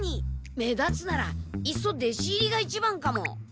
目立つならいっそ弟子入りが一番かも。